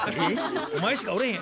お前しかおれへん。